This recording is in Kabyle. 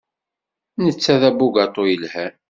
Netta d abugaṭu yelhan.